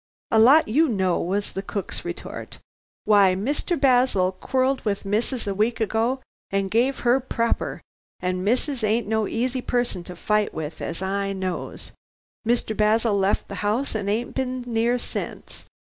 "A lot you know," was the cook's retort. "Why Mr. Basil quarrelled with missus a week ago and gave her proper, and missus ain't no easy person to fight with, as I knows. Mr. Basil left the house and ain't been near since."